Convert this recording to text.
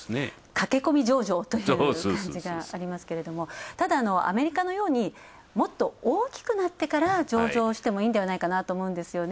駆け込み上場という感じがありますけれど、ただ、アメリカのようにもっと大きくなってから上場してもいいのではないかなと思うんですよね